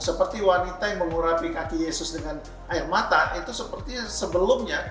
seperti wanita yang mengurapi kaki yesus dengan air mata itu seperti sebelumnya